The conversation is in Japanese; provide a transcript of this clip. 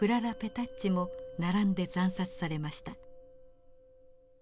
タッチも並んで惨殺されました。